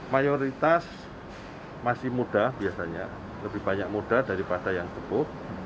mayoritas masih muda biasanya lebih banyak muda daripada yang cukup